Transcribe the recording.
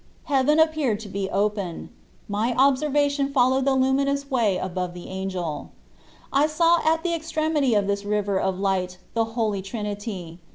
Heaven appeared to be open ; my observation followed the lumin ous way above the angel. I saw at the extremity of this river of light the Holy Trinity.